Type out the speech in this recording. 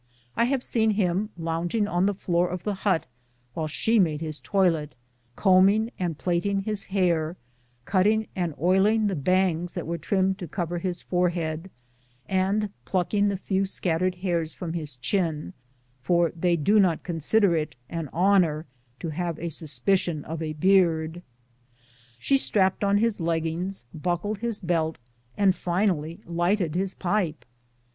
I have seen him lounging on the floor of the hut while she made his toilet, combing and plaiting his hair, cutting and oiling the bangs which were trimmed to cover his forehead, and plucking the few scattered hairs from his chin — for they do not con sider it an honor to have a suspicion of a beard. She strapped on his leggings, buckled his belt, and finally lighted his pipe.